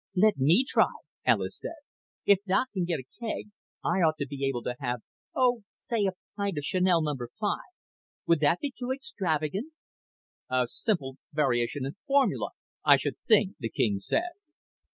"Let me try!" Alis said. "If Doc can get a keg, I ought to be able to have oh, say a pint of Channel No. 5. Would that be too extravagant?" "A simple variation in formula, I should think," the king said.